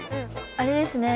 あれですね。